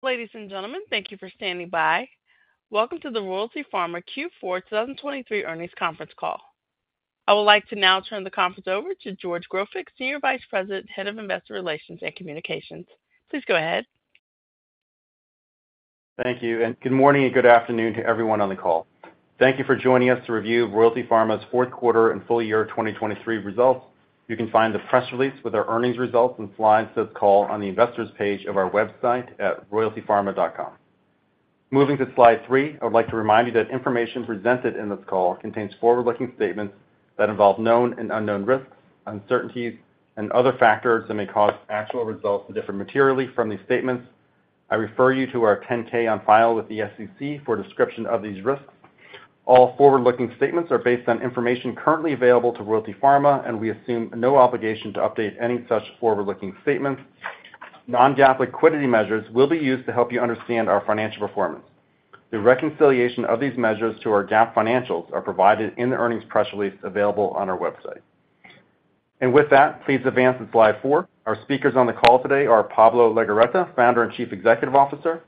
Ladies and gentlemen, thank you for standing by. Welcome to the Royalty Pharma Q4 2023 earnings conference call. I would like to now turn the conference over to George Grofik, Senior Vice President, Head of Investor Relations and Communications. Please go ahead. Thank you. Good morning and good afternoon to everyone on the call. Thank you for joining us to review Royalty Pharma's fourth quarter and full year 2023 results. You can find the press release with our earnings results and slides to this call on the investors' page of our website at royaltypharma.com. Moving to slide three, I would like to remind you that information presented in this call contains forward-looking statements that involve known and unknown risks, uncertainties, and other factors that may cause actual results to differ materially from these statements. I refer you to our 10-K on file with the SEC for a description of these risks. All forward-looking statements are based on information currently available to Royalty Pharma, and we assume no obligation to update any such forward-looking statements. Non-GAAP liquidity measures will be used to help you understand our financial performance. The reconciliation of these measures to our GAAP financials is provided in the earnings press release available on our website. With that, please advance to slide 4. Our speakers on the call today are Pablo Legorreta, Founder and Chief Executive Officer,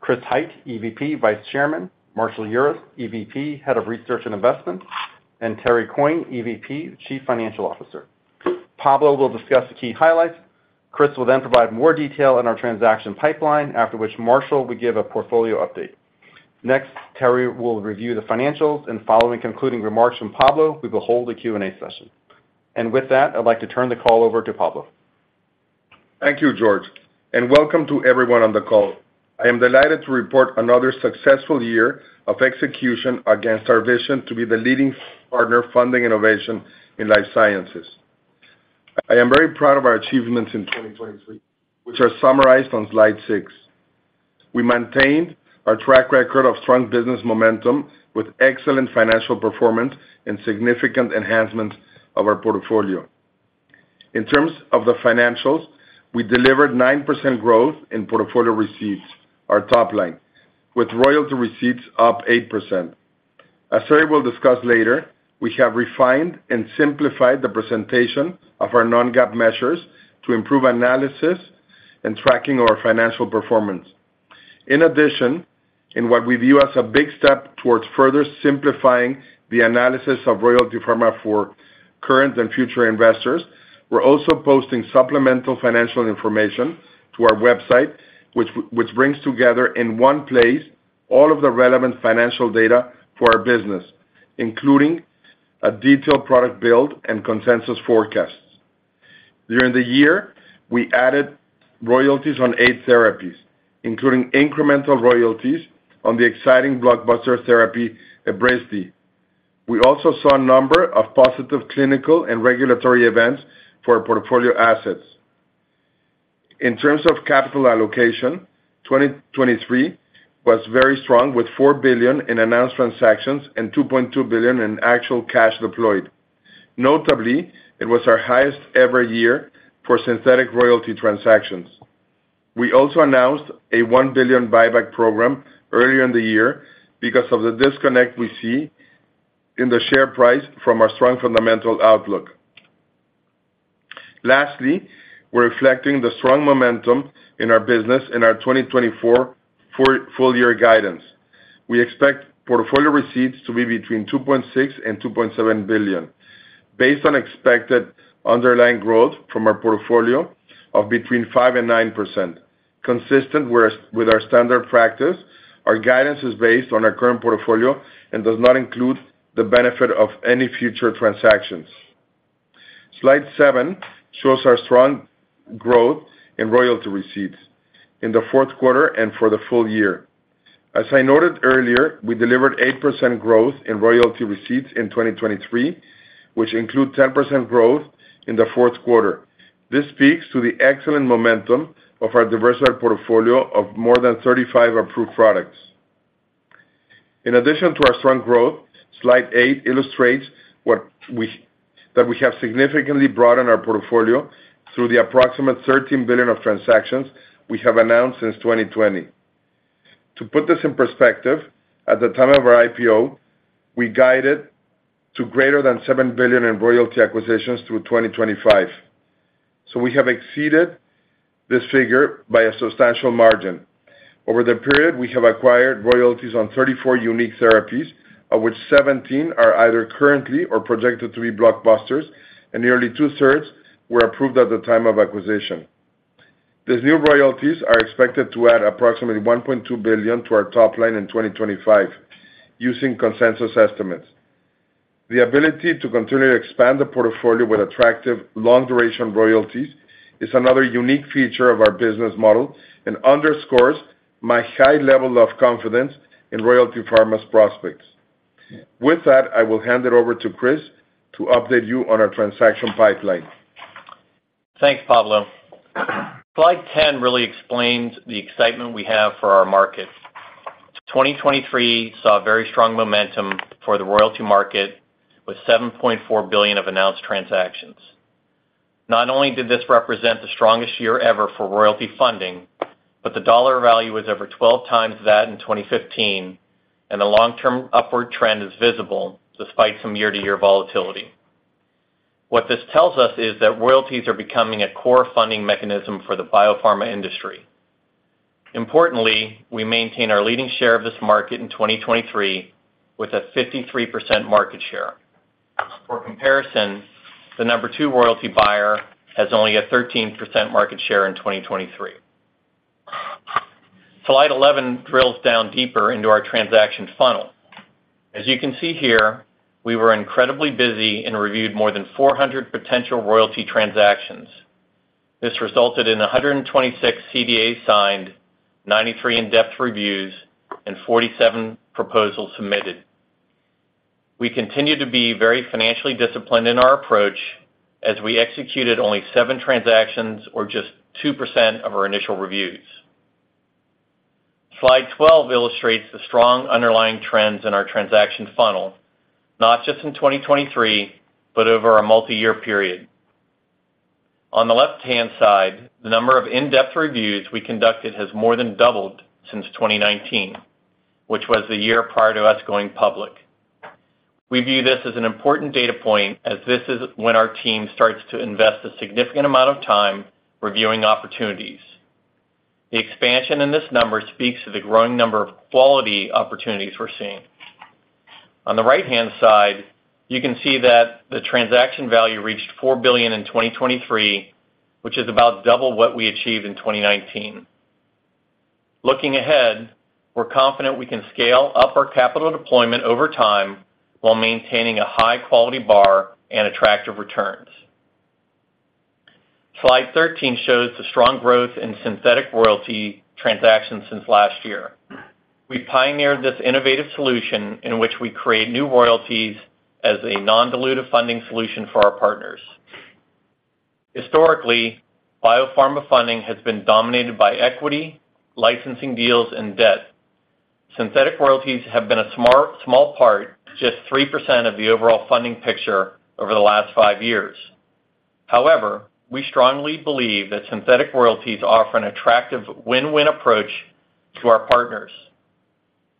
Chris Hite, EVP, Vice Chairman, Marshall Urist, EVP, Head of Research and Investments, and Terry Coyne, EVP, Chief Financial Officer. Pablo will discuss the key highlights. Chris will then provide more detail on our transaction pipeline, after which Marshall will give a portfolio update. Next, Terry will review the financials, and following concluding remarks from Pablo, we will hold a Q&A session. With that, I'd like to turn the call over to Pablo. Thank you, George, and welcome to everyone on the call. I am delighted to report another successful year of execution against our vision to be the leading partner funding innovation in life sciences. I am very proud of our achievements in 2023, which are summarized on slide 6. We maintained our track record of strong business momentum with excellent financial performance and significant enhancements of our portfolio. In terms of the financials, we delivered 9% growth in portfolio receipts, our top line, with royalty receipts up 8%. As Terry will discuss later, we have refined and simplified the presentation of our non-GAAP measures to improve analysis and tracking of our financial performance. In addition, in what we view as a big step towards further simplifying the analysis of Royalty Pharma for current and future investors, we're also posting supplemental financial information to our website, which brings together in one place all of the relevant financial data for our business, including a detailed product build and consensus forecasts. During the year, we added royalties on eight therapies, including incremental royalties on the exciting blockbuster therapy Evrysdi. We also saw a number of positive clinical and regulatory events for our portfolio assets. In terms of capital allocation, 2023 was very strong with $4 billion in announced transactions and $2.2 billion in actual cash deployed. Notably, it was our highest-ever year for synthetic royalty transactions. We also announced a $1 billion buyback program earlier in the year because of the disconnect we see in the share price from our strong fundamental outlook. Lastly, we're reflecting the strong momentum in our business in our 2024 full-year guidance. We expect portfolio receipts to be between $2.6 billion-$2.7 billion, based on expected underlying growth from our portfolio of between 5%-9%. Consistent with our standard practice, our guidance is based on our current portfolio and does not include the benefit of any future transactions. Slide 7 shows our strong growth in royalty receipts in the fourth quarter and for the full year. As I noted earlier, we delivered 8% growth in royalty receipts in 2023, which includes 10% growth in the fourth quarter. This speaks to the excellent momentum of our diversified portfolio of more than 35 approved products. In addition to our strong growth, slide 8 illustrates that we have significantly broadened our portfolio through the approximate $13 billion of transactions we have announced since 2020. To put this in perspective, at the time of our IPO, we guided to greater than $7 billion in royalty acquisitions through 2025. So we have exceeded this figure by a substantial margin. Over the period, we have acquired royalties on 34 unique therapies, of which 17 are either currently or projected to be blockbusters, and nearly two-thirds were approved at the time of acquisition. These new royalties are expected to add approximately $1.2 billion to our top line in 2025, using consensus estimates. The ability to continue to expand the portfolio with attractive long-duration royalties is another unique feature of our business model and underscores my high level of confidence in Royalty Pharma's prospects. With that, I will hand it over to Chris to update you on our transaction pipeline. Thanks, Pablo. Slide 10 really explains the excitement we have for our market. 2023 saw very strong momentum for the royalty market with $7.4 billion of announced transactions. Not only did this represent the strongest year ever for royalty funding, but the dollar value was over 12 times that in 2015, and the long-term upward trend is visible despite some year-to-year volatility. What this tells us is that royalties are becoming a core funding mechanism for the biopharma industry. Importantly, we maintain our leading share of this market in 2023 with a 53% market share. For comparison, the number two royalty buyer has only a 13% market share in 2023. Slide 11 drills down deeper into our transaction funnel. As you can see here, we were incredibly busy and reviewed more than 400 potential royalty transactions. This resulted in 126 CDAs signed, 93 in-depth reviews, and 47 proposals submitted. We continue to be very financially disciplined in our approach as we executed only 7 transactions or just 2% of our initial reviews. Slide 12 illustrates the strong underlying trends in our transaction funnel, not just in 2023 but over a multi-year period. On the left-hand side, the number of in-depth reviews we conducted has more than doubled since 2019, which was the year prior to us going public. We view this as an important data point as this is when our team starts to invest a significant amount of time reviewing opportunities. The expansion in this number speaks to the growing number of quality opportunities we're seeing. On the right-hand side, you can see that the transaction value reached $4 billion in 2023, which is about double what we achieved in 2019. Looking ahead, we're confident we can scale up our capital deployment over time while maintaining a high-quality bar and attractive returns. Slide 13 shows the strong growth in synthetic royalty transactions since last year. We pioneered this innovative solution in which we create new royalties as a non-dilutive funding solution for our partners. Historically, biopharma funding has been dominated by equity, licensing deals, and debt. Synthetic royalties have been a small part, just 3% of the overall funding picture over the last five years. However, we strongly believe that synthetic royalties offer an attractive win-win approach to our partners.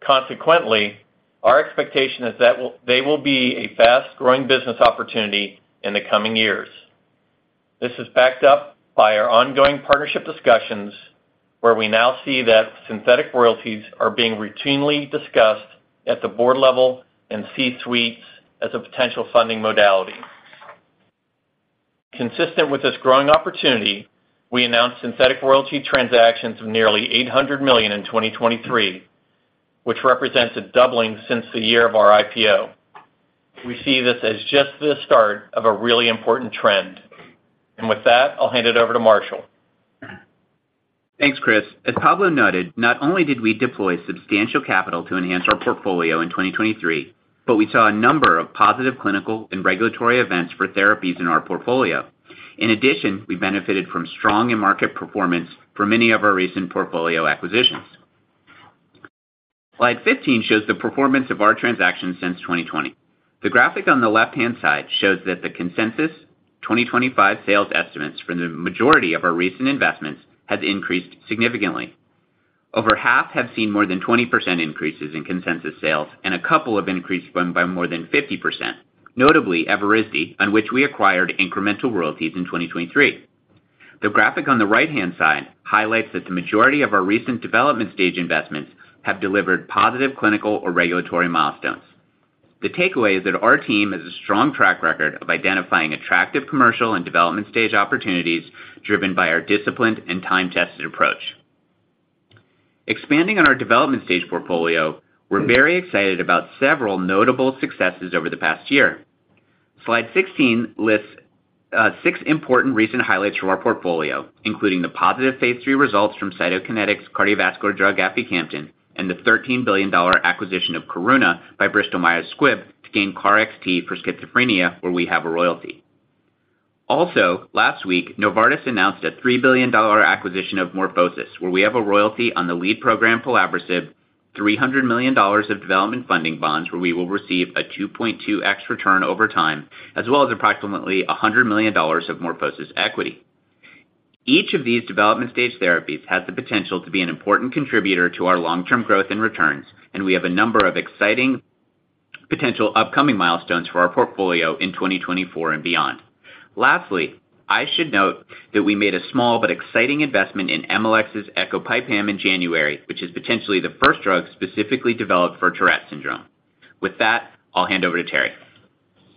Consequently, our expectation is that they will be a fast-growing business opportunity in the coming years. This is backed up by our ongoing partnership discussions, where we now see that synthetic royalties are being routinely discussed at the board level and C-suites as a potential funding modality. Consistent with this growing opportunity, we announced synthetic royalty transactions of nearly $800 million in 2023, which represents a doubling since the year of our IPO. We see this as just the start of a really important trend. With that, I'll hand it over to Marshall. Thanks, Chris. As Pablo noted, not only did we deploy substantial capital to enhance our portfolio in 2023, but we saw a number of positive clinical and regulatory events for therapies in our portfolio. In addition, we benefited from strong in-market performance for many of our recent portfolio acquisitions. Slide 15 shows the performance of our transactions since 2020. The graphic on the left-hand side shows that the consensus 2025 sales estimates for the majority of our recent investments have increased significantly. Over half have seen more than 20% increases in consensus sales, and a couple have increased by more than 50%, notably Evrysdi, on which we acquired incremental royalties in 2023. The graphic on the right-hand side highlights that the majority of our recent development-stage investments have delivered positive clinical or regulatory milestones. The takeaway is that our team has a strong track record of identifying attractive commercial and development-stage opportunities driven by our disciplined and time-tested approach. Expanding on our development-stage portfolio, we're very excited about several notable successes over the past year. Slide 16 lists six important recent highlights from our portfolio, including the positive phase 3 results from Cytokinetics, cardiovascular drug Aficamten, and the $13 billion acquisition of Karuna by Bristol-Myers Squibb to gain KarXT for schizophrenia, where we have a royalty. Also, last week, Novartis announced a $3 billion acquisition of Morphosys, where we have a royalty on the lead program Pelabresib, $300 million of development funding bonds where we will receive a 2.2x return over time, as well as approximately $100 million of Morphosys equity. Each of these development-stage therapies has the potential to be an important contributor to our long-term growth and returns, and we have a number of exciting potential upcoming milestones for our portfolio in 2024 and beyond. Lastly, I should note that we made a small but exciting investment in Emalex's Ecopipam in January, which is potentially the first drug specifically developed for Tourette syndrome. With that, I'll hand over to Terry.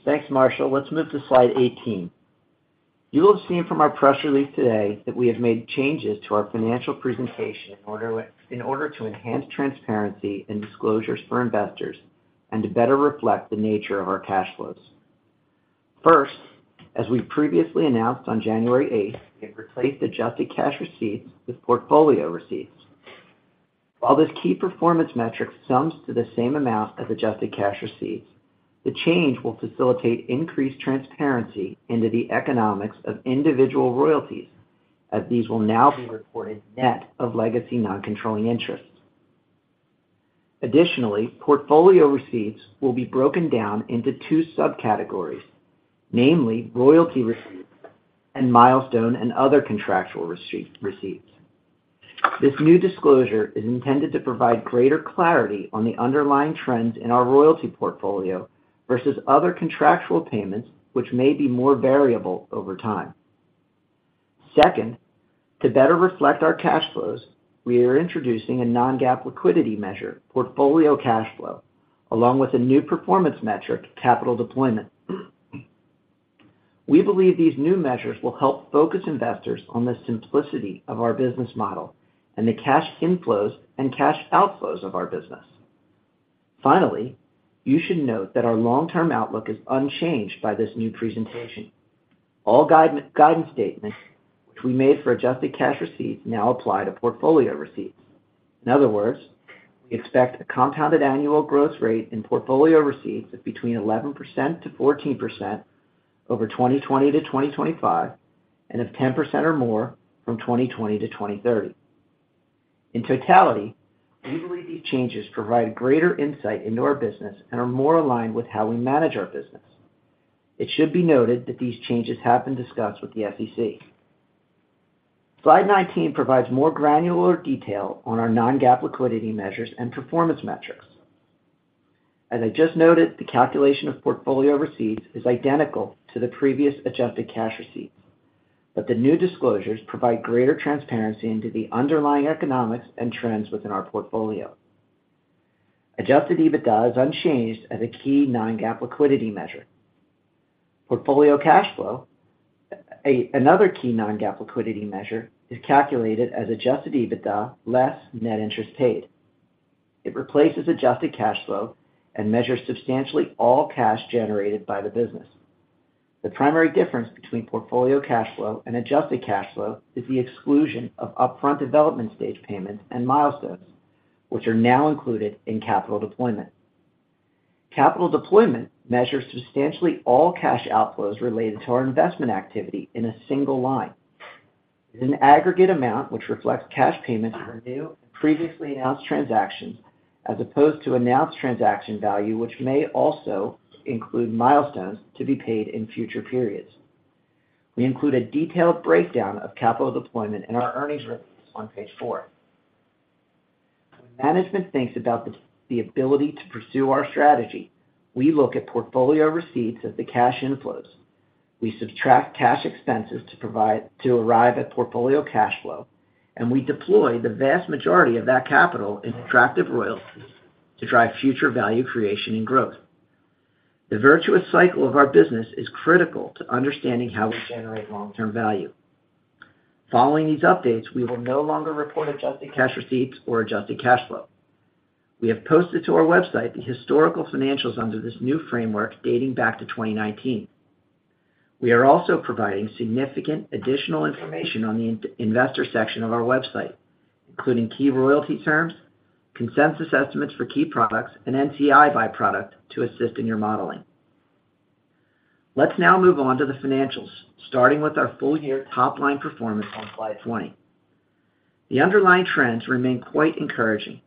Thanks, Marshall. Let's move to slide 18. You will have seen from our press release today that we have made changes to our financial presentation in order to enhance transparency and disclosures for investors and to better reflect the nature of our cash flows. First, as we previously announced on January 8th, we have replaced adjusted cash receipts with portfolio receipts. While this key performance metric sums to the same amount as adjusted cash receipts, the change will facilitate increased transparency into the economics of individual royalties, as these will now be reported net of legacy non-controlling interests. Additionally, portfolio receipts will be broken down into two subcategories, namely royalty receipts and milestone and other contractual receipts. This new disclosure is intended to provide greater clarity on the underlying trends in our royalty portfolio versus other contractual payments, which may be more variable over time. Second, to better reflect our cash flows, we are introducing a non-GAAP liquidity measure, portfolio cash flow, along with a new performance metric, capital deployment. We believe these new measures will help focus investors on the simplicity of our business model and the cash inflows and cash outflows of our business. Finally, you should note that our long-term outlook is unchanged by this new presentation. All guidance statements, which we made for adjusted cash receipts, now apply to portfolio receipts. In other words, we expect a compounded annual growth rate in portfolio receipts of between 11%-14% over 2020-2025 and of 10% or more from 2020-2030. In totality, we believe these changes provide greater insight into our business and are more aligned with how we manage our business. It should be noted that these changes have been discussed with the SEC. Slide 19 provides more granular detail on our non-GAAP liquidity measures and performance metrics. As I just noted, the calculation of portfolio receipts is identical to the previous adjusted cash receipts, but the new disclosures provide greater transparency into the underlying economics and trends within our portfolio. Adjusted EBITDA is unchanged as a key non-GAAP liquidity measure. Portfolio cash flow, another key non-GAAP liquidity measure, is calculated as Adjusted EBITDA less net interest paid. It replaces adjusted cash flow and measures substantially all cash generated by the business. The primary difference between portfolio cash flow and adjusted cash flow is the exclusion of upfront development-stage payments and milestones, which are now included in capital deployment. Capital deployment measures substantially all cash outflows related to our investment activity in a single line. It is an aggregate amount which reflects cash payments for new and previously announced transactions, as opposed to announced transaction value, which may also include milestones to be paid in future periods. We include a detailed breakdown of capital deployment in our earnings reports on page four. When management thinks about the ability to pursue our strategy, we look at portfolio receipts as the cash inflows. We subtract cash expenses to arrive at portfolio cash flow, and we deploy the vast majority of that capital in attractive royalties to drive future value creation and growth. The virtuous cycle of our business is critical to understanding how we generate long-term value. Following these updates, we will no longer report adjusted cash receipts or adjusted cash flow. We have posted to our website the historical financials under this new framework dating back to 2019. We are also providing significant additional information on the investor section of our website, including key royalty terms, consensus estimates for key products, and NCI by product to assist in your modeling. Let's now move on to the financials, starting with our full-year top line performance on slide 20. The underlying trends remain quite encouraging.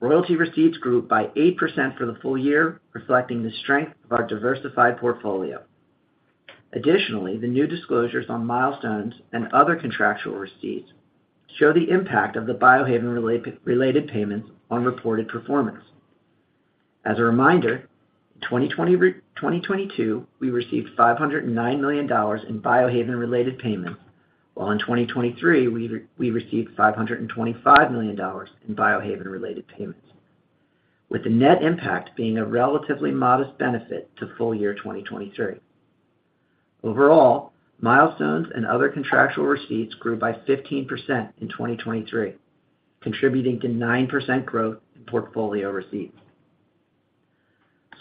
Royalty receipts grew by 8% for the full year, reflecting the strength of our diversified portfolio. Additionally, the new disclosures on milestones and other contractual receipts show the impact of the Biohaven-related payments on reported performance. As a reminder, in 2022, we received $509 million in Biohaven-related payments, while in 2023, we received $525 million in Biohaven-related payments, with the net impact being a relatively modest benefit to full-year 2023. Overall, milestones and other contractual receipts grew by 15% in 2023, contributing to 9% growth in portfolio receipts.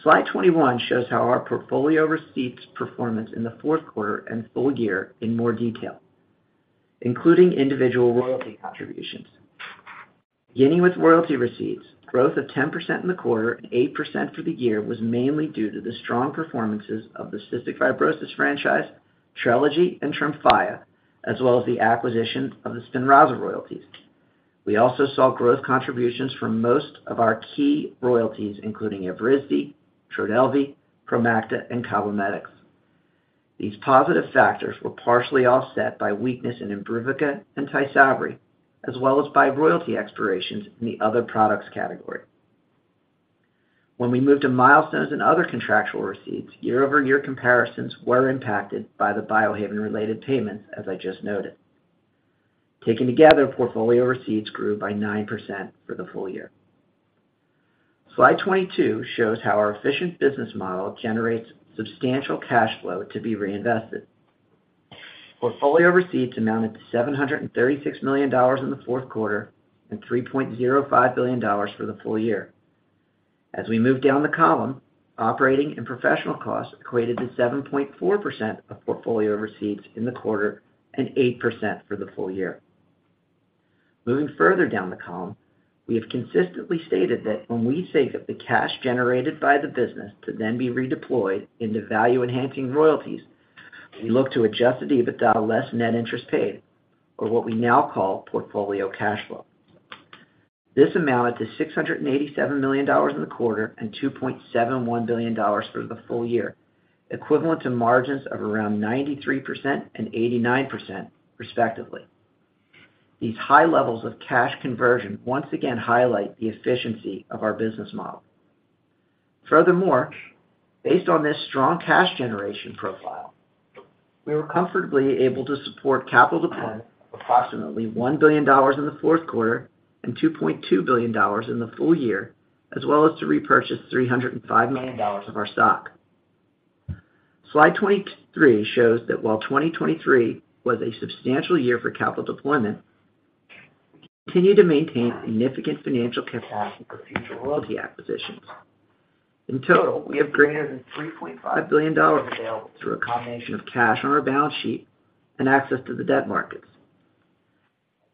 Slide 21 shows how our portfolio receipts performance in the fourth quarter and full year in more detail, including individual royalty contributions. Beginning with royalty receipts, growth of 10% in the quarter and 8% for the year was mainly due to the strong performances of the cystic fibrosis franchise, Trelegy, and Tremfya, as well as the acquisition of the Spinraza royalties. We also saw growth contributions from most of our key royalties, including Evrysdi, Trodelvy, Promacta, and Cabometyx. These positive factors were partially offset by weakness in Imbruvica and Tysabri, as well as by royalty expirations in the other products category. When we moved to milestones and other contractual receipts, year-over-year comparisons were impacted by the Biohaven-related payments, as I just noted. Taken together, portfolio receipts grew by 9% for the full year. Slide 22 shows how our efficient business model generates substantial cash flow to be reinvested. Portfolio receipts amounted to $736 million in the fourth quarter and $3.05 billion for the full year. As we move down the column, operating and professional costs equated to 7.4% of portfolio receipts in the quarter and 8% for the full year. Moving further down the column, we have consistently stated that when we save up the cash generated by the business to then be redeployed into value-enhancing royalties, we look to Adjusted EBITDA less net interest paid, or what we now call Portfolio cash flow. This amounted to $687 million in the quarter and $2.71 billion for the full year, equivalent to margins of around 93% and 89%, respectively. These high levels of cash conversion once again highlight the efficiency of our business model. Furthermore, based on this strong cash generation profile, we were comfortably able to support capital deployment of approximately $1 billion in the fourth quarter and $2.2 billion in the full year, as well as to repurchase $305 million of our stock. Slide 23 shows that while 2023 was a substantial year for capital deployment, we continue to maintain significant financial capacity for future royalty acquisitions. In total, we have greater than $3.5 billion available through a combination of cash on our balance sheet and access to the debt markets.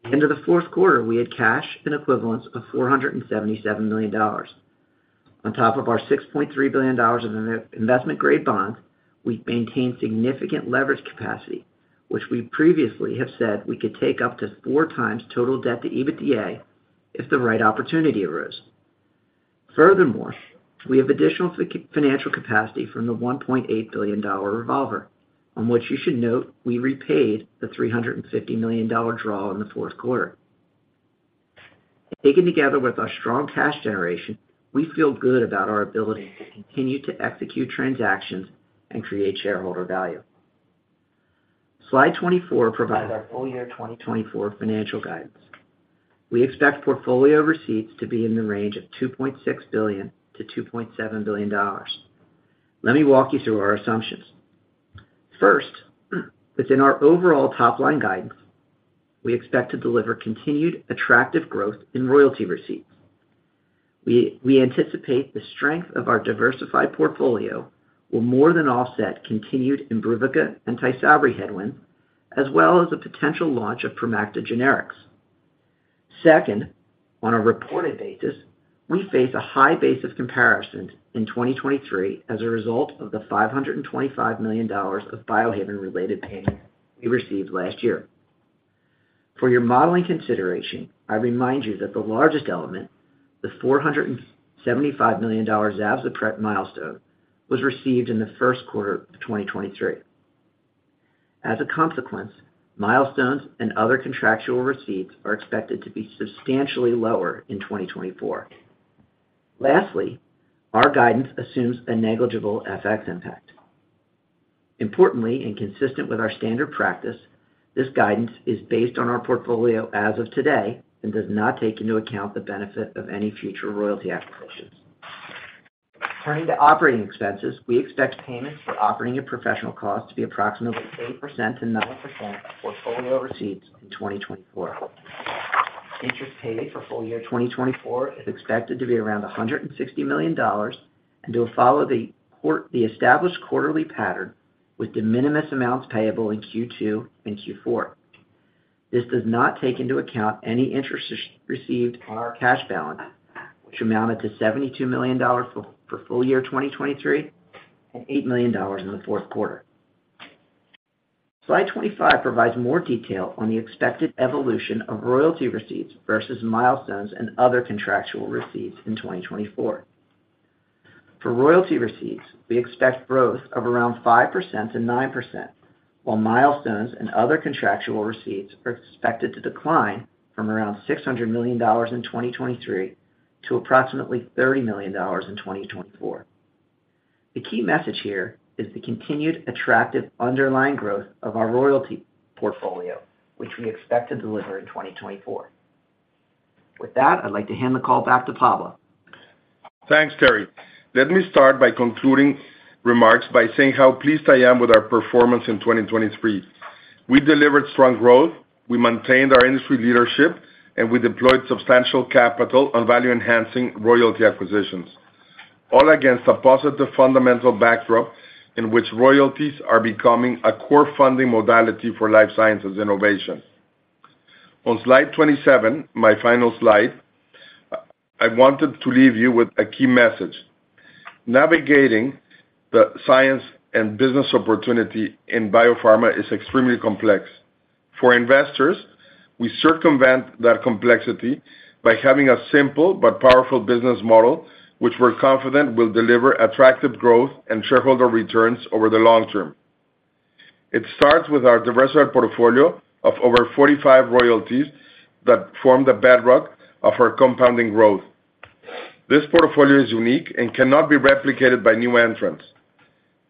At the end of the fourth quarter, we had cash and equivalents of $477 million. On top of our $6.3 billion of investment-grade bonds, we maintain significant leverage capacity, which we previously have said we could take up to four times total debt to EBITDA if the right opportunity arose. Furthermore, we have additional financial capacity from the $1.8 billion revolver, on which you should note we repaid the $350 million draw in the fourth quarter. Taken together with our strong cash generation, we feel good about our ability to continue to execute transactions and create shareholder value. Slide 24 provides our full-year 2024 financial guidance. We expect portfolio receipts to be in the range of $2.6 billion-$2.7 billion. Let me walk you through our assumptions. First, within our overall top line guidance, we expect to deliver continued attractive growth in royalty receipts. We anticipate the strength of our diversified portfolio will more than offset continued Imbruvica and Tysabri headwinds, as well as a potential launch of Promacta generics. Second, on a reported basis, we face a high base of comparisons in 2023 as a result of the $525 million of Biohaven-related payments we received last year. For your modeling consideration, I remind you that the largest element, the $475 million Zavzpret milestone, was received in the first quarter of 2023. As a consequence, milestones and other contractual receipts are expected to be substantially lower in 2024. Lastly, our guidance assumes a negligible FX impact. Importantly, and consistent with our standard practice, this guidance is based on our portfolio as of today and does not take into account the benefit of any future royalty acquisitions. Turning to operating expenses, we expect payments for operating and professional costs to be approximately 8%-9% of portfolio receipts in 2024. Interest paid for full-year 2024 is expected to be around $160 million and will follow the established quarterly pattern with de minimis amounts payable in Q2 and Q4. This does not take into account any interest received on our cash balance, which amounted to $72 million for full-year 2023 and $8 million in the fourth quarter. Slide 25 provides more detail on the expected evolution of royalty receipts versus milestones and other contractual receipts in 2024. For royalty receipts, we expect growth of around 5%-9%, while milestones and other contractual receipts are expected to decline from around $600 million in 2023 to approximately $30 million in 2024. The key message here is the continued attractive underlying growth of our royalty portfolio, which we expect to deliver in 2024. With that, I'd like to hand the call back to Pablo. Thanks, Terry. Let me start by concluding remarks by saying how pleased I am with our performance in 2023. We delivered strong growth, we maintained our industry leadership, and we deployed substantial capital on value-enhancing royalty acquisitions, all against a positive fundamental backdrop in which royalties are becoming a core funding modality for life sciences innovation. On slide 27, my final slide, I wanted to leave you with a key message. Navigating the science and business opportunity in biopharma is extremely complex. For investors, we circumvent that complexity by having a simple but powerful business model, which we're confident will deliver attractive growth and shareholder returns over the long term. It starts with our diversified portfolio of over 45 royalties that form the bedrock of our compounding growth. This portfolio is unique and cannot be replicated by new entrants.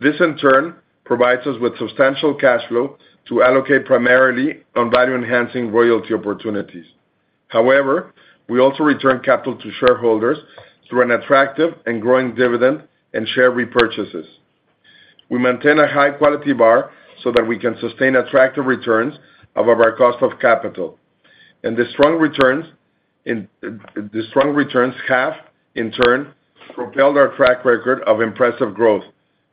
This, in turn, provides us with substantial cash flow to allocate primarily on value-enhancing royalty opportunities. However, we also return capital to shareholders through an attractive and growing dividend and share repurchases. We maintain a high-quality bar so that we can sustain attractive returns of our cost of capital. The strong returns have, in turn, propelled our track record of impressive growth,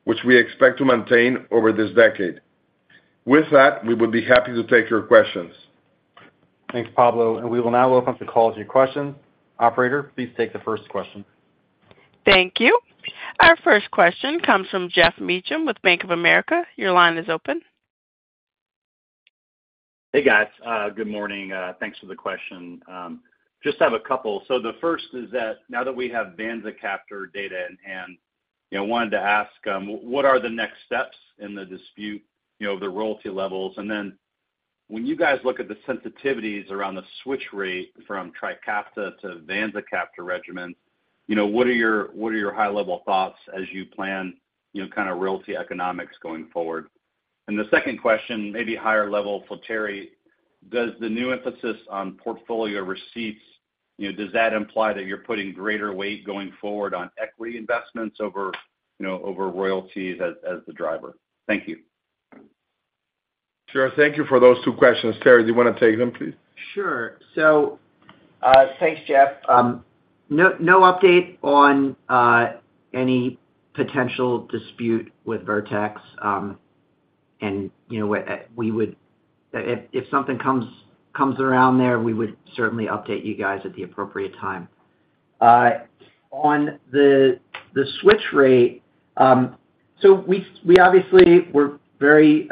which we expect to maintain over this decade. With that, we would be happy to take your questions. Thanks, Pablo. We will now open up the call to your questions. Operator, please take the first question. Thank you. Our first question comes from Geoff Meacham with Bank of America. Your line is open. Hey, guys. Good morning. Thanks for the question. Just have a couple. So the first is that now that we have Vanzacaftor data in hand, I wanted to ask, what are the next steps in the dispute of the royalty levels? Then when you guys look at the sensitivities around the switch rate from Trikafta to Vanzacaftor regimens, what are your high-level thoughts as you plan kind of royalty economics going forward? And the second question, maybe higher level for Terry, does the new emphasis on portfolio receipts, does that imply that you're putting greater weight going forward on equity investments over royalties as the driver? Thank you. Sure. Thank you for those two questions. Terry, do you want to take them, please? Sure. Thanks, Geoff. No update on any potential dispute with Vertex. If something comes around there, we would certainly update you guys at the appropriate time. On the switch rate, so we obviously were very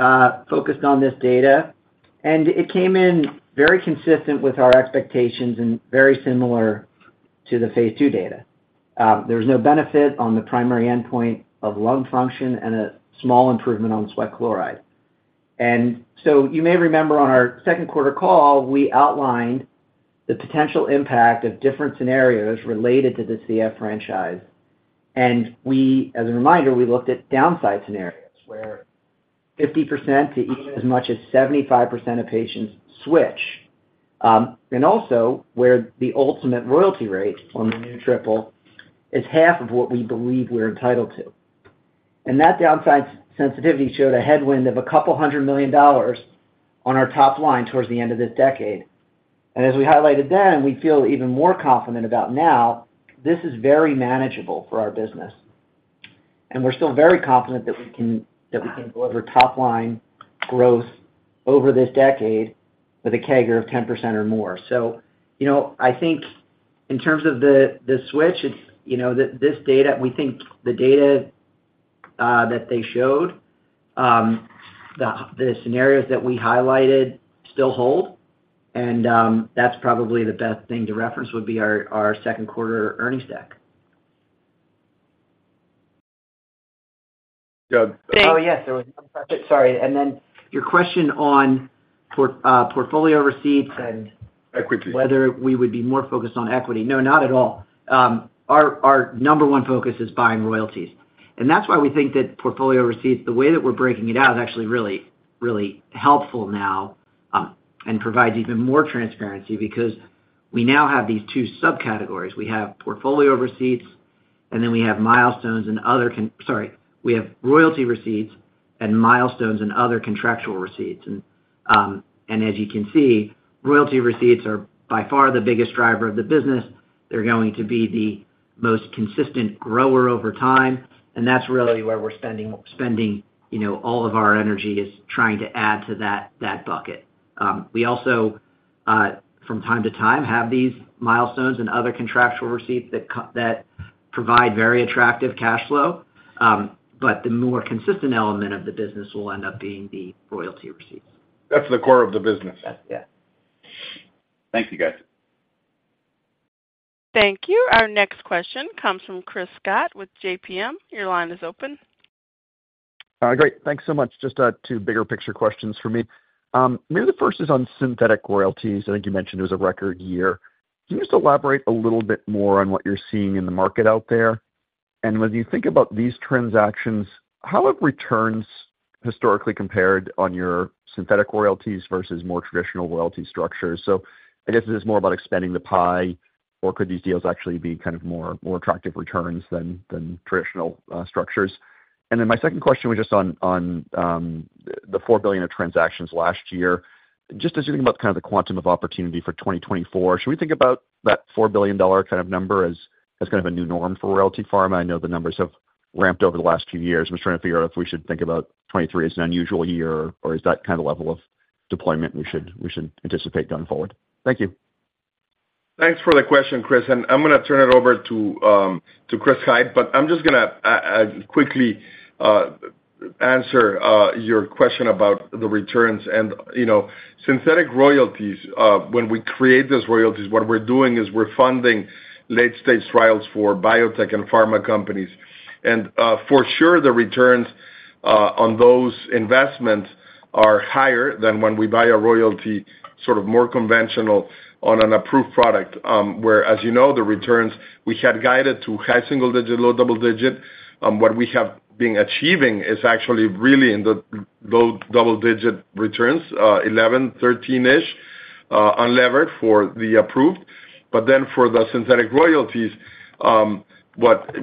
focused on this data, and it came in very consistent with our expectations and very similar to the phase 2 data. There was no benefit on the primary endpoint of lung function and a small improvement on sweat chloride. So you may remember on our second-quarter call, we outlined the potential impact of different scenarios related to the CF franchise. As a reminder, we looked at downside scenarios where 50%-75% of patients switch, and also where the ultimate royalty rate on the new triple is half of what we believe we're entitled to. That downside sensitivity showed a headwind of $200 million on our top line towards the end of this decade. As we highlighted then, we feel even more confident about now, this is very manageable for our business. We're still very confident that we can deliver top-line growth over this decade with a CAGR of 10% or more. So I think in terms of the switch, this data, we think the data that they showed, the scenarios that we highlighted still hold. And that's probably the best thing to reference would be our second-quarter earnings deck. Doug? Oh, yes. There was one question. Sorry. And then your question on portfolio receipts and whether we would be more focused on equity. No, not at all. Our number one focus is buying royalties. And that's why we think that portfolio receipts, the way that we're breaking it out, is actually really, really helpful now and provides even more transparency because we now have these two subcategories. We have portfolio receipts, and then we have milestones and other sorry. We have royalty receipts and milestones and other contractual receipts. And as you can see, royalty receipts are by far the biggest driver of the business. They're going to be the most consistent grower over time. And that's really where we're spending all of our energy is trying to add to that bucket. We also, from time to time, have these milestones and other contractual receipts that provide very attractive cash flow. But the more consistent element of the business will end up being the royalty receipts. That's the core of the business. Yeah. Thank you, guys. Thank you. Our next question comes from Chris Schott with JPM. Your line is open. Great. Thanks so much. Just two bigger picture questions for me. Maybe the first is on synthetic royalties. I think you mentioned it was a record year. Can you just elaborate a little bit more on what you're seeing in the market out there? When you think about these transactions, how have returns historically compared on your synthetic royalties versus more traditional royalty structures? So I guess this is more about expanding the pie, or could these deals actually be kind of more attractive returns than traditional structures? And then my second question was just on the $4 billion of transactions last year. Just as you think about kind of the quantum of opportunity for 2024, should we think about that $4 billion kind of number as kind of a new norm for Royalty Pharma? I know the numbers have ramped over the last few years. I'm just trying to figure out if we should think about 2023 as an unusual year, or is that kind of level of deployment we should anticipate going forward? Thank you. Thanks for the question, Chris. I'm going to turn it over to Chris Hite, but I'm just going to quickly answer your question about the returns. Synthetic royalties, when we create those royalties, what we're doing is we're funding late-stage trials for biotech and pharma companies. For sure, the returns on those investments are higher than when we buy a royalty sort of more conventional on an approved product. Where, as you know, the returns, we had guided to high single-digit, low double-digit. What we have been achieving is actually really in the low double-digit returns, 11, 13-ish, unlevered for the approved. But then for the synthetic royalties,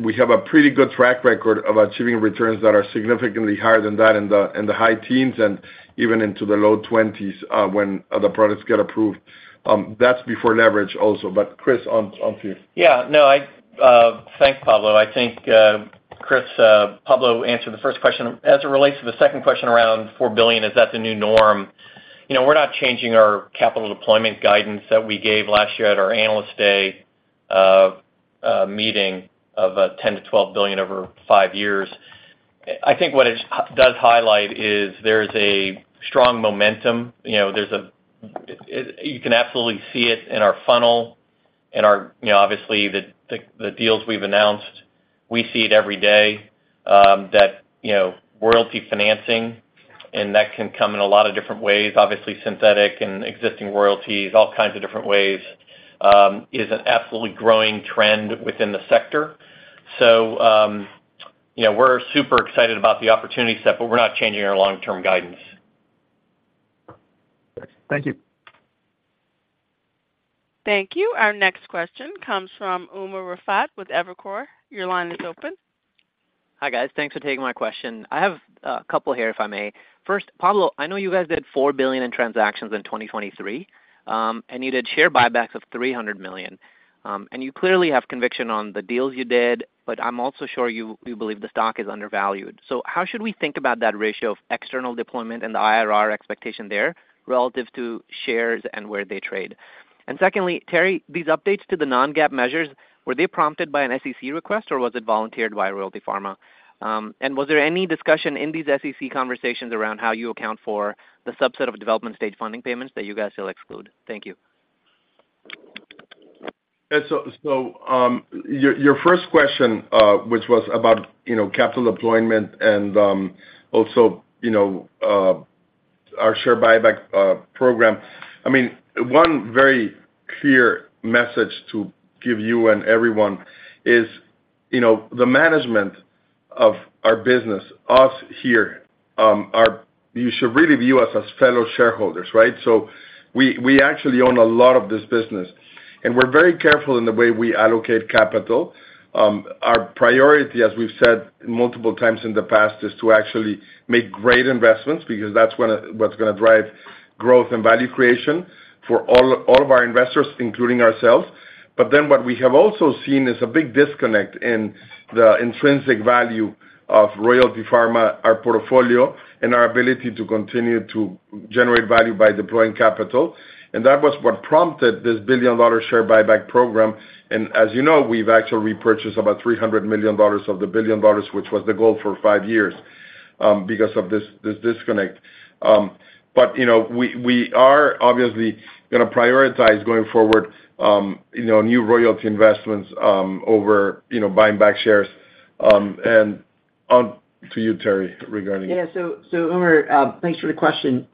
we have a pretty good track record of achieving returns that are significantly higher than that in the high teens and even into the low 20s when the products get approved. That's before leverage also. But Chris, on to you. Yeah. No, thank you, Pablo. I think Chris, Pablo answered the first question. As it relates to the second question around $4 billion, is that the new norm? We're not changing our capital deployment guidance that we gave last year at our analysts' day meeting of $10 billion-$12 billion over 5 years. I think what it does highlight is there's a strong momentum. You can absolutely see it in our funnel. And obviously, the deals we've announced, we see it every day that royalty financing - and that can come in a lot of different ways, obviously synthetic and existing royalties, all kinds of different ways - is an absolutely growing trend within the sector. So we're super excited about the opportunity set, but we're not changing our long-term guidance. Thank you. Thank you. Our next question comes from Umer Raffat with Evercore. Your line is open. Hi, guys. Thanks for taking my question. I have a couple here, if I may. First, Pablo, I know you guys did $4 billion in transactions in 2023, and you did share buybacks of $300 million. And you clearly have conviction on the deals you did, but I'm also sure you believe the stock is undervalued. So how should we think about that ratio of external deployment and the IRR expectation there relative to shares and where they trade? And secondly, Terry, these updates to the non-GAAP measures, were they prompted by an SEC request, or was it volunteered by Royalty Pharma? And was there any discussion in these SEC conversations around how you account for the subset of development-stage funding payments that you guys still exclude? Thank you. So your first question, which was about capital deployment and also our share buyback program, I mean, one very clear message to give you and everyone is the management of our business, us here, you should really view us as fellow shareholders, right? So we actually own a lot of this business, and we're very careful in the way we allocate capital. Our priority, as we've said multiple times in the past, is to actually make great investments because that's what's going to drive growth and value creation for all of our investors, including ourselves. But then what we have also seen is a big disconnect in the intrinsic value of Royalty Pharma, our portfolio, and our ability to continue to generate value by deploying capital. And that was what prompted this $1 billion share buyback program. As you know, we've actually repurchased about $300 million of the $1 billion, which was the goal for five years because of this disconnect. We are obviously going to prioritize going forward new royalty investments over buying back shares. And on to you, Terry, regarding that. Yeah. So Umer, thanks for the question.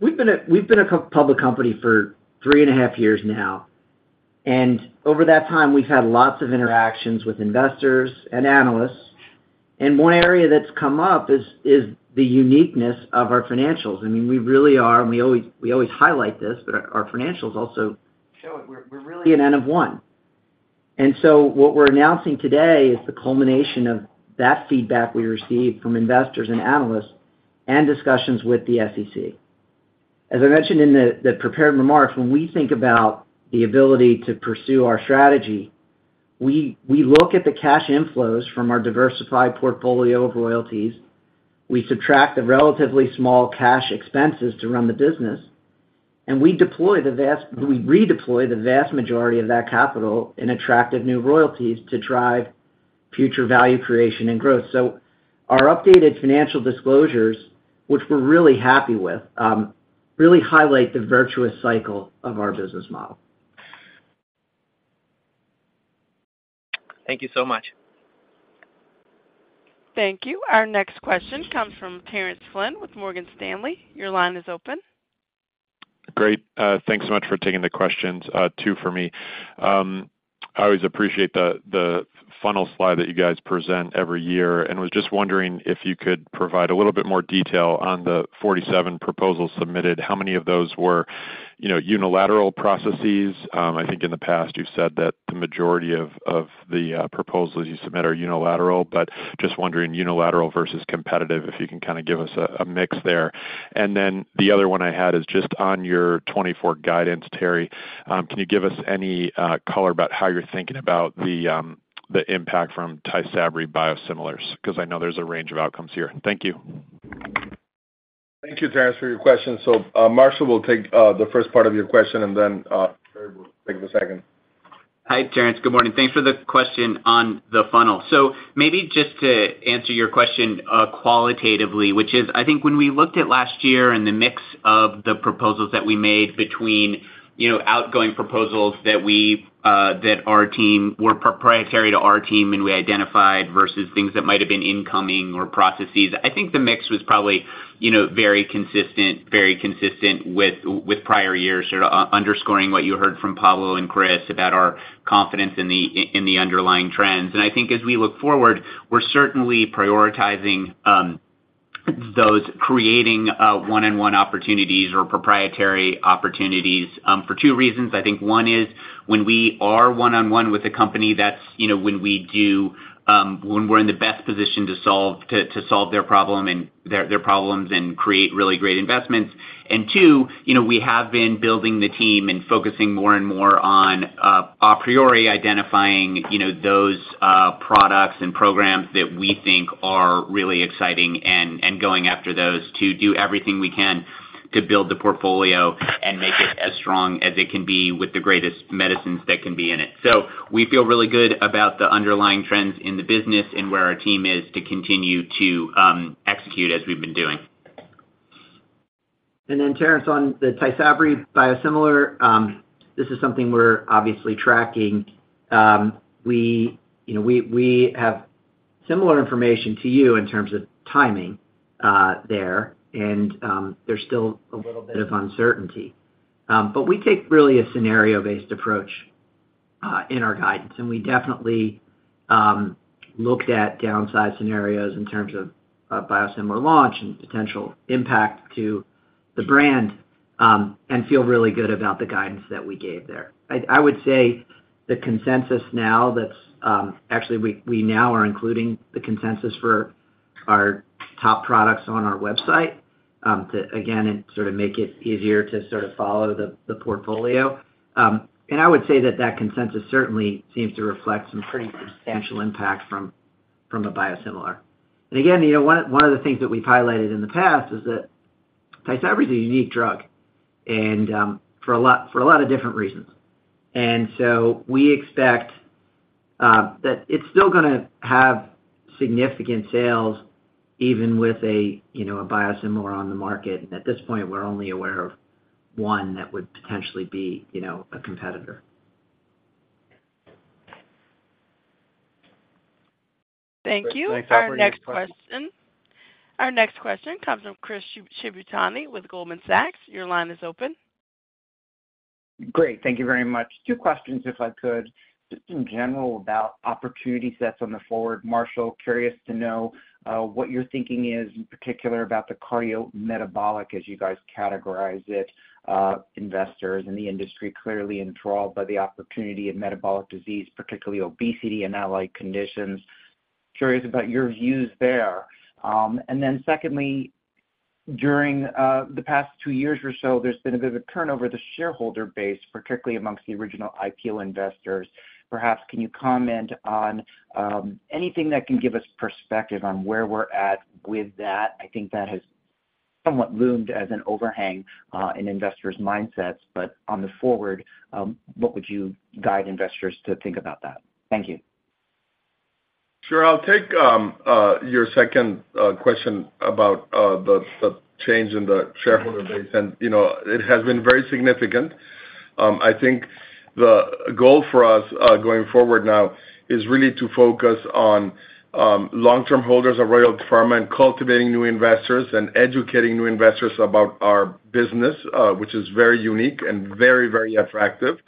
We've been a public company for three and a half years now. Over that time, we've had lots of interactions with investors and analysts. One area that's come up is the uniqueness of our financials. I mean, we really are, and we always highlight this, but our financials also show it. We're really an N of one. So what we're announcing today is the culmination of that feedback we received from investors and analysts and discussions with the SEC. As I mentioned in the prepared remarks, when we think about the ability to pursue our strategy, we look at the cash inflows from our diversified portfolio of royalties. We subtract the relatively small cash expenses to run the business, and we redeploy the vast majority of that capital in attractive new royalties to drive future value creation and growth. So our updated financial disclosures, which we're really happy with, really highlight the virtuous cycle of our business model. Thank you so much. Thank you. Our next question comes from Terence Flynn with Morgan Stanley. Your line is open. Great. Thanks so much for taking the questions too for me. I always appreciate the funnel slide that you guys present every year. And was just wondering if you could provide a little bit more detail on the 47 proposals submitted. How many of those were unilateral processes? I think in the past, you've said that the majority of the proposals you submit are unilateral. But just wondering, unilateral versus competitive, if you can kind of give us a mix there. And then the other one I had is just on your 2024 guidance, Terry, can you give us any color about how you're thinking about the impact from Tysabri biosimilars? Because I know there's a range of outcomes here. Thank you. Thank you, Terence, for your question. So Marshall will take the first part of your question, and then Terry will take the second. Hi, Terence. Good morning. Thanks for the question on the funnel. So maybe just to answer your question qualitatively, which is, I think when we looked at last year and the mix of the proposals that we made between outgoing proposals that our team were proprietary to our team and we identified versus things that might have been incoming or processes, I think the mix was probably very consistent, very consistent with prior years, sort of underscoring what you heard from Pablo and Chris about our confidence in the underlying trends. And I think as we look forward, we're certainly prioritizing those creating one-on-one opportunities or proprietary opportunities for two reasons. I think one is when we are one-on-one with a company, that's when we do when we're in the best position to solve their problems and create really great investments. And two, we have been building the team and focusing more and more on a priori identifying those products and programs that we think are really exciting and going after those to do everything we can to build the portfolio and make it as strong as it can be with the greatest medicines that can be in it. So we feel really good about the underlying trends in the business and where our team is to continue to execute as we've been doing. And then, Terrance, on the Tysabri biosimilar, this is something we're obviously tracking. We have similar information to you in terms of timing there, and there's still a little bit of uncertainty. But we take really a scenario-based approach in our guidance. And we definitely looked at downside scenarios in terms of biosimilar launch and potential impact to the brand and feel really good about the guidance that we gave there. I would say the consensus now that's actually, we now are including the consensus for our top products on our website to, again, sort of make it easier to sort of follow the portfolio. And I would say that that consensus certainly seems to reflect some pretty substantial impact from a biosimilar. And again, one of the things that we've highlighted in the past is that Tysabri is a unique drug for a lot of different reasons. And so we expect that it's still going to have significant sales even with a biosimilar on the market. And at this point, we're only aware of one that would potentially be a competitor. Thank you. Our next question comes from Chris Shibutani with Goldman Sachs. Your line is open. Great. Thank you very much. Two questions, if I could, just in general about opportunity sets on the forward. Marshall, curious to know what your thinking is in particular about the cardiometabolic, as you guys categorize it. Investors in the industry clearly enthralled by the opportunity of metabolic disease, particularly obesity and allied conditions. Curious about your views there. And then secondly, during the past two years or so, there's been a bit of a turnover of the shareholder base, particularly amongst the original IPO investors. Perhaps can you comment on anything that can give us perspective on where we're at with that? I think that has somewhat loomed as an overhang in investors' mindsets. But on the forward, what would you guide investors to think about that? Thank you. Sure. I'll take your second question about the change in the shareholder base. It has been very significant. I think the goal for us going forward now is really to focus on long-term holders of Royalty Pharma and cultivating new investors and educating new investors about our business, which is very unique and very, very attractive.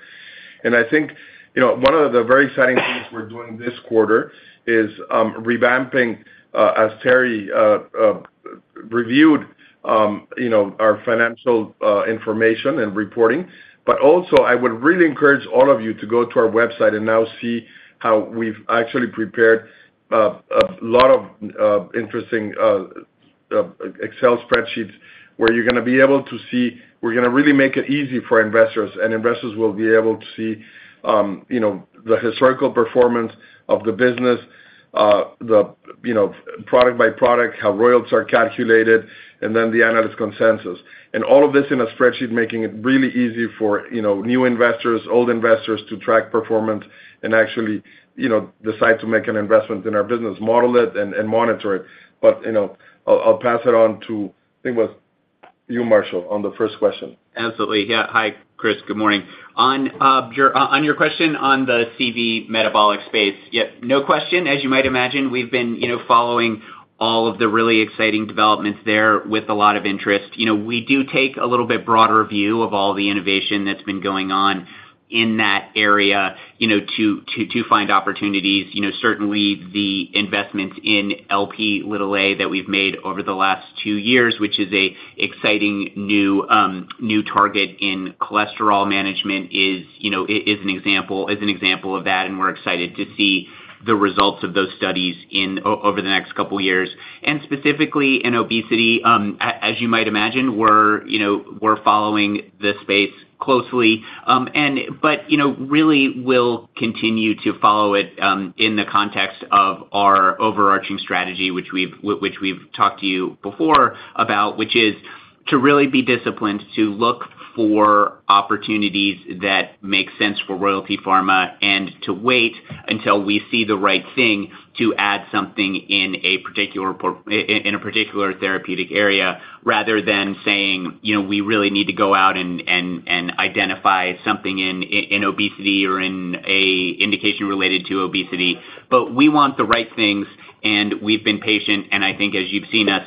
I think one of the very exciting things we're doing this quarter is revamping, as Terry reviewed, our financial information and reporting. But also, I would really encourage all of you to go to our website and now see how we've actually prepared a lot of interesting Excel spreadsheets where you're going to be able to see we're going to really make it easy for investors. Investors will be able to see the historical performance of the business, the product-by-product, how royalties are calculated, and then the analyst consensus. And all of this in a spreadsheet, making it really easy for new investors, old investors to track performance and actually decide to make an investment in our business, model it, and monitor it. But I'll pass it on to, I think it was you, Marshall, on the first question. Absolutely. Yeah. Hi, Chris. Good morning. On your question on the CV metabolic space, yep, no question. As you might imagine, we've been following all of the really exciting developments there with a lot of interest. We do take a little bit broader view of all the innovation that's been going on in that area to find opportunities. Certainly, the investments in Lp(a) that we've made over the last two years, which is an exciting new target in cholesterol management, is an example of that. We're excited to see the results of those studies over the next couple of years. And specifically in obesity, as you might imagine, we're following the space closely. But really, we'll continue to follow it in the context of our overarching strategy, which we've talked to you before about, which is to really be disciplined, to look for opportunities that make sense for Royalty Pharma, and to wait until we see the right thing to add something in a particular therapeutic area rather than saying, "We really need to go out and identify something in obesity or in an indication related to obesity. But we want the right things." And we've been patient. And I think, as you've seen us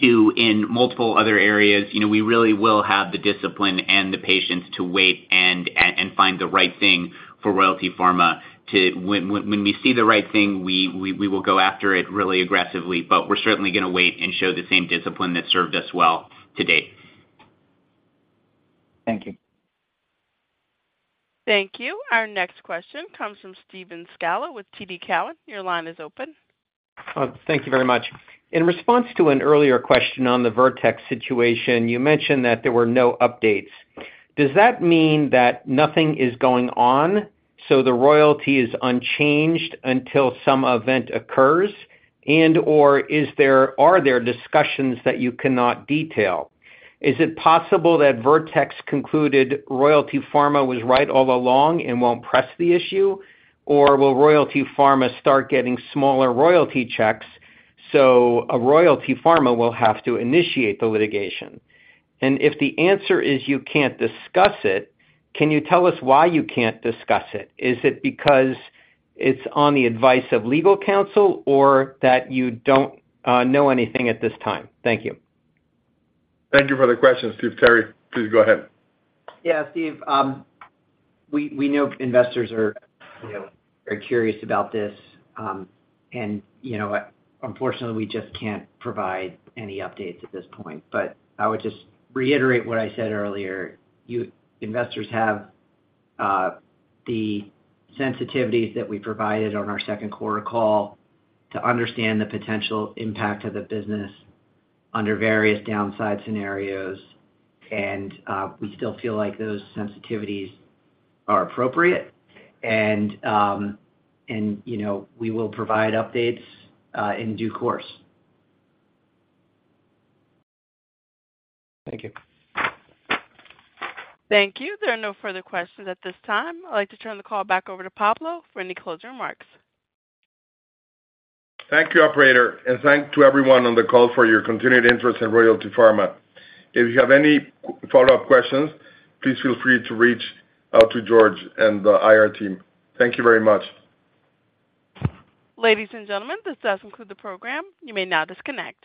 do in multiple other areas, we really will have the discipline and the patience to wait and find the right thing for Royalty Pharma. When we see the right thing, we will go after it really aggressively. But we're certainly going to wait and show the same discipline that served us well to date. Thank you. Thank you. Our next question comes from Steve Scala with TD Cowen. Your line is open. Thank you very much. In response to an earlier question on the Vertex situation, you mentioned that there were no updates. Does that mean that nothing is going on, so the royalty is unchanged until some event occurs, and/or are there discussions that you cannot detail? Is it possible that Vertex concluded Royalty Pharma was right all along and won't press the issue? Or will Royalty Pharma start getting smaller royalty checks, so a Royalty Pharma will have to initiate the litigation? And if the answer is you can't discuss it, can you tell us why you can't discuss it? Is it because it's on the advice of legal counsel or that you don't know anything at this time? Thank you. Thank you for the question, Steve. Terry, please go ahead. Yeah, Steve. We know investors are very curious about this. And unfortunately, we just can't provide any updates at this point. But I would just reiterate what I said earlier. Investors have the sensitivities that we provided on our second quarter call to understand the potential impact of the business under various downside scenarios. And we still feel like those sensitivities are appropriate. And we will provide updates in due course. Thank you. Thank you. There are no further questions at this time. I'd like to turn the call back over to Pablo for any closing remarks. Thank you, operator. And thanks to everyone on the call for your continued interest in Royalty Pharma. If you have any follow-up questions, please feel free to reach out to George and the IR team. Thank you very much. Ladies and gentlemen, this does conclude the program. You may now disconnect.